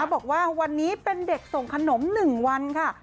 บอกว่าวันนี้เป็นเด็กส่งขนม๑วันค่ะ